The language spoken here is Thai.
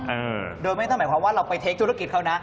เออโดยไม่ต้องหมายความว่าเราไปเทคธุรกิจเขานะ